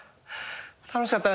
楽しかった。